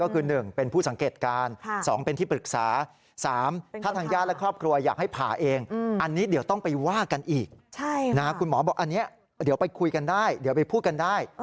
คุณหมอบอกอันนี้เดี๋ยวไปคุยกันได้เดี๋ยวไปพูดกันได้